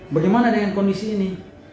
bagaimana dengan kondisi ini